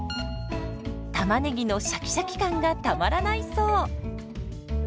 たまねぎのシャキシャキ感がたまらないそう。